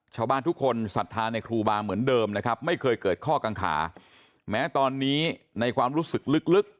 ชาวบ้านทุกคนศรัทธาในครูบาเหมือนเดิมนะครับไม่เคยเกิดข้อกังขาแม้ตอนนี้ในความรู้สึกลึก